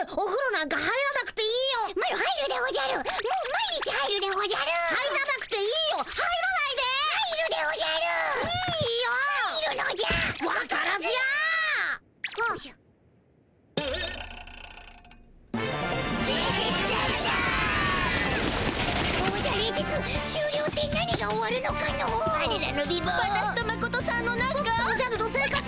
ぼくとおじゃるの生活？